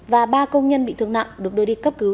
và ba công nhân bị thương nặng được đưa đi cấp cứu